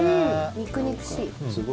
肉々しい。